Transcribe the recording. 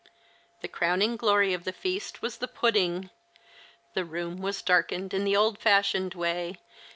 The crowning glory of the feast was the pudding. The room was darkened in the old fashioned wav, and the 138 The Christma.